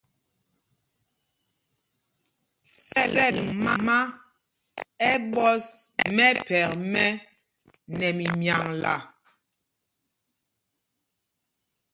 Sɛl mumá ɛ ɓɔs mɛphɛk mɛ́ nɛ mimyaŋla.